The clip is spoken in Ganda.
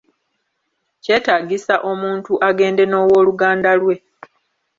Kyetaagisa omuntu agende n'owoluganda lwe.